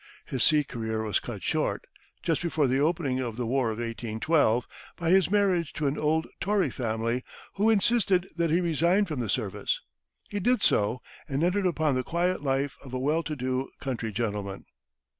His sea career was cut short, just before the opening of the war of 1812, by his marriage into an old Tory family, who insisted that he resign from the service. He did so, and entered upon the quiet life of a well to do country gentleman.